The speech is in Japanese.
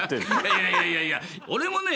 いやいやいやいや俺もね